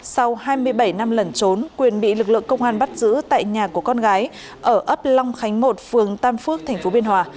sau hai mươi bảy năm lẩn trốn quyền bị lực lượng công an bắt giữ tại nhà của con gái ở ấp long khánh một phường tam phước tp biên hòa